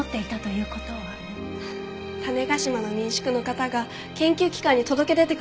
種子島の民宿の方が研究機関に届け出てくださったそうです。